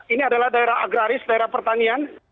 ini adalah daerah agraris daerah pertanian